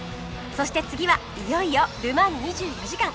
そして次はいよいよル・マン２４時間